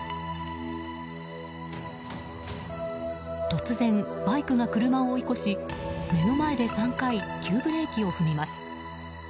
突然、バイクが車を追い越し目の前で３回急ブレーキを踏みます。